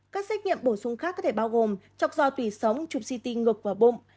các xét nghiệm bổ sung khác có thể bao gồm chọc dò tùy sống chụp ct ngực và bụng